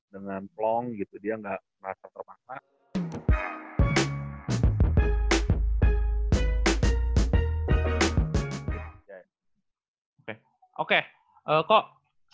dengan plong gitu dia nggak terasa terbatas